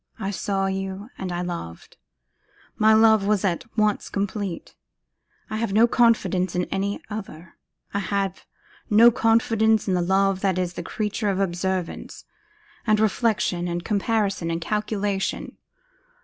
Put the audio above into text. I saw you, and I loved. My love was at once complete; I have no confidence in any other; I have no confidence in the love that is the creature of observation, and reflection, and comparison, and calculation.